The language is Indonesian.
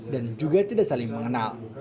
dan juga tidak saling mengenal